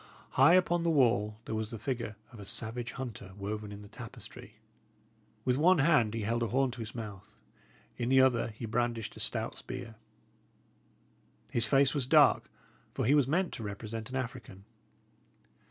High upon the wall there was the figure of a savage hunter woven in the tapestry. With one hand he held a horn to his mouth; in the other he brandished a stout spear. His face was dark, for he was meant to represent an African.